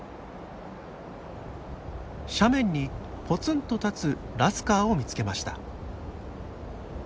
斜面にポツンと立つラスカーを見つけました。